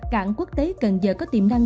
cảng quốc tế cần giờ có tiềm năng